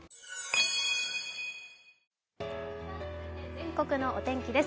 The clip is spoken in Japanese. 全国のお天気です。